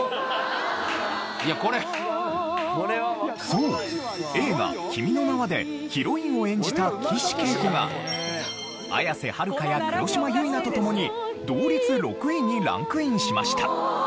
そう映画『君の名は』でヒロインを演じた岸惠子が綾瀬はるかや黒島結菜とともに同率６位にランクインしました。